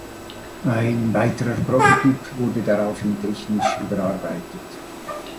Ein weiterer Prototyp wurde daraufhin technisch überarbeitet.